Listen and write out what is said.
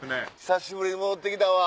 久しぶりに戻って来たわ。